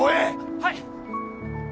はい！